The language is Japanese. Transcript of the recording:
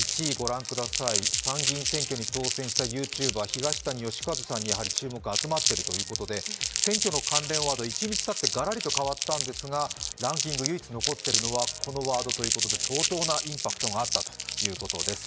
１位、参議院選挙に当選したＹｏｕＴｕｂｅｒ、東谷義和さんに、やはり注目が集まっているということで選挙の関連ワード、一日たってガラリと変わったんですがランキング唯一残っているのはこのワードということで相当なインパクトがあったということです。